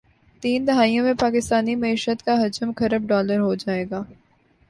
تین دہائیوں میں پاکستانی معیشت کا حجم کھرب ڈالرہوجائےگا